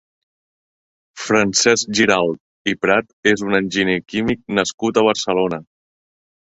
Francesc Giralt i Prat és un enginyer químic nascut a Barcelona.